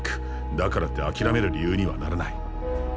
だからって諦める理由にはならない。